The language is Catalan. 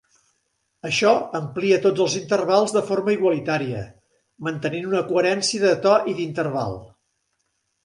Això amplia tots els intervals de forma igualitària, mantenint una coherència de to i d"interval.